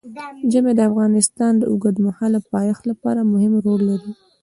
ژمی د افغانستان د اوږدمهاله پایښت لپاره مهم رول لري.